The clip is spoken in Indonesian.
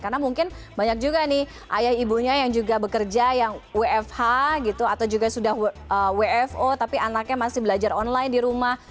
karena mungkin banyak juga nih ayah ibunya yang juga bekerja yang wfh gitu atau juga sudah wfo tapi anaknya masih belajar online di rumah